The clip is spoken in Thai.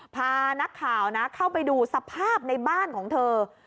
พานักข่าวนะเข้าไปดูสภาพในบ้านของเธอ